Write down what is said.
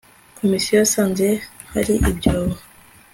komisiyo yasanze hari ibyobo